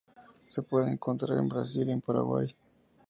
Se puede encontrar en Brasil y Paraguay.